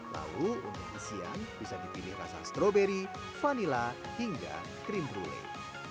lalu untuk isian bisa dipilih rasa stroberi vanila hingga krim brule